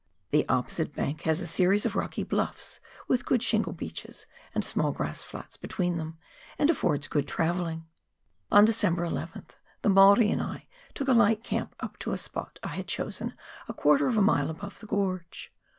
The opposite bank has a series of rocky bluffs with good shingle beaches, and small grass flats between them, and affords good travelling. On December 11th, the Maori and I took a light camp up to a spot I had chosen a quarter of a mile above the gorge.